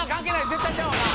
絶対ちゃうわな。